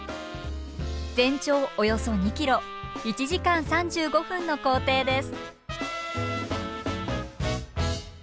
全長およそ２ｋｍ１時間３５分の行程です。